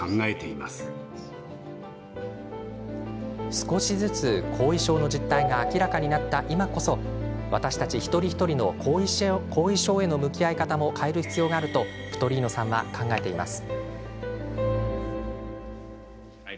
少しずつ後遺症の実態が明らかになった今こそ私たち一人一人の後遺症への向き合い方も変える必要があるとプトリーノさんは考えています。